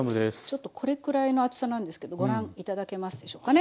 ちょっとこれくらいの厚さなんですけどご覧頂けますでしょうかね。